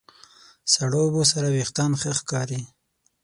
سړو اوبو سره وېښتيان ښه ښکاري.